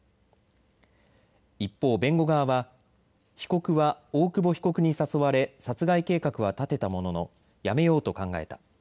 一方、弁護側は被告は大久保被告に誘われ殺害計画は立てたもののやめようと考えた。